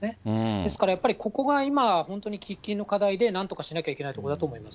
ですからやっぱり、ここが今、本当に喫緊の課題で、なんとかしなきゃいけないところだと思います。